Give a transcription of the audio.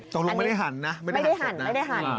ตกลงไม่ได้หันนะไม่ได้หันไม่ได้หัน